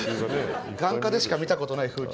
眼科でしか見たことない風景。